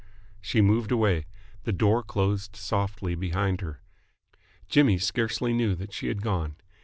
She moved away. The door closed softly behind her. Jimmy scarcely knew that she had gone.